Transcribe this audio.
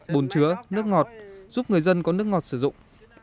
bồn chứa nước ngọt giúp người dân có nước ngọt sử dụng